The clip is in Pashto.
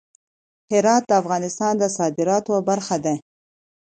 هرات د افغانستان د صادراتو برخه ده.